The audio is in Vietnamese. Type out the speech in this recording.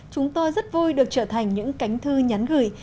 chúng tôi rất vui được trở thành những cánh thư nhắn gửi